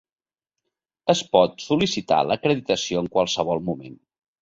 Es pot sol·licitar l'acreditació en qualsevol moment.